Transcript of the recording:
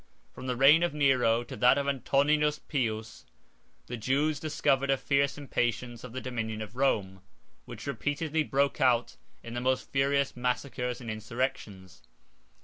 From the reign of Nero to that of Antoninus Pius, the Jews discovered a fierce impatience of the dominion of Rome, which repeatedly broke out in the most furious massacres and insurrections.